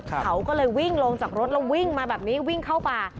เขาก็เลยวิ่งลงจากรถแล้ววิ่งมาแบบนี้วิ่งเข้าป่า